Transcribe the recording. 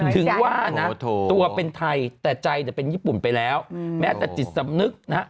ถึงว่านะตัวเป็นไทยแต่ใจเป็นญี่ปุ่นไปแล้วแม้แต่จิตสำนึกนะฮะ